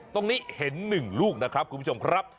ตรงนี้เห็น๑ลูกนะครับคุณผู้ชมครับ